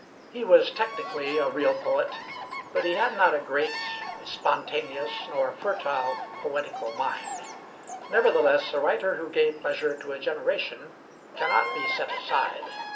He was technically a real poet; but he had not a great, a spontaneous, nor a fertile poetical mind. Nevertheless, a writer who gave pleasure to a generation cannot be set aside.